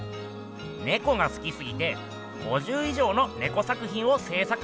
ネコがすきすぎて５０以上のネコ作品を制作したっす。